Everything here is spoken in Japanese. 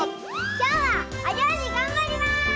きょうはおりょうりがんばります！